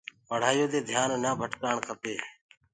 پڙهآيو مي ڌيآن نآ ڀٽڪآڻ ڪپي۔